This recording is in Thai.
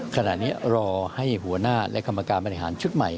ขณะนี้รอให้หัวหน้าและกรรมการบริหารชุดใหม่